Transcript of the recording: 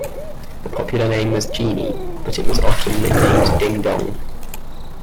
The popular name was "Genie", but it was often nicknamed "Ding-Dong".